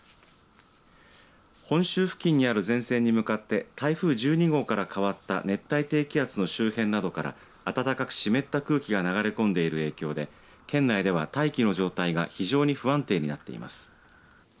本州付近にある前線に向かって台風１２号から変わった熱帯低気圧の周辺などから暖かく湿った空気が流れ込んでいる影響で県内では大気の状態が非常に不安定になっています。